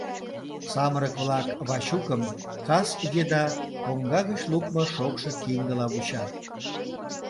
Самырык-влак Вачукым кас еда коҥга гыч лукмо шокшо киндыла вучат.